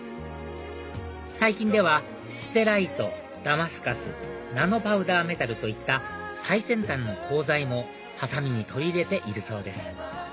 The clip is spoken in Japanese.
最近ではステライトダマスカスナノパウダーメタルといった最先端の鋼材もハサミに取り入れているそうです